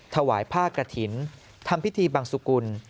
ถวายผ้ากระถิ่นทำพิธีบังสุกุล